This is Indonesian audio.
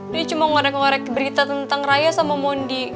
dia cuma ngorek ngorek berita tentang raya sama mondi